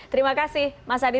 terima kasih mas adi